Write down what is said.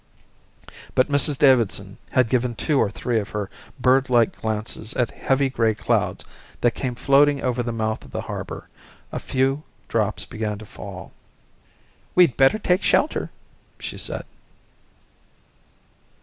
But Mrs Davidson had given two or three of her birdlike glances at heavy grey clouds that came floating over the mouth of the harbour. A few drops began to fall. "We'd better take shelter," she said.